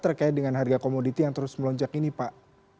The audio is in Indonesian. terkait dengan harga komoditi yang terus melonjak ini pak